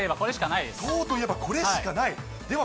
塔といえばこれしかないです。